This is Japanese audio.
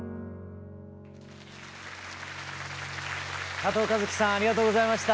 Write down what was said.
加藤和樹さんありがとうございました。